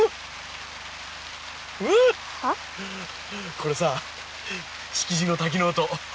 これさしきじの滝の音。